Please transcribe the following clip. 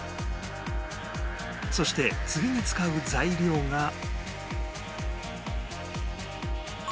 そして次に使う材料が